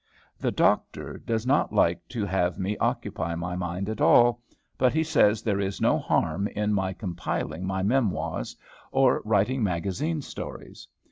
The doctor does not like to have me occupy my mind at all; but he says there is no harm in my compiling my memoirs, or writing magazine stories.